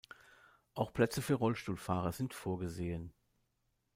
Auch Plätze für Rollstuhlfahrer sind vorgesehen.